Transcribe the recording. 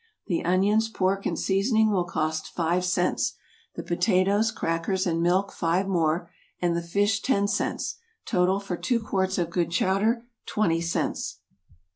The onions, pork, and seasoning will cost five cents; the potatoes, crackers and milk five more; and the fish ten cents; total for two quarts of good chowder twenty cents.